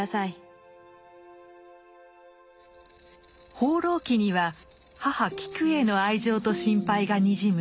「放浪記」には母・キクへの愛情と心配がにじむ